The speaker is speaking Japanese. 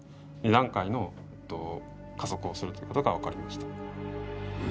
２段階の加速をするということが分かりました。